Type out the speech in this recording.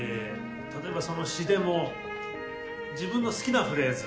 例えばその詩でも自分の好きなフレーズ